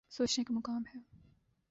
سوچنے کا مقام ہے۔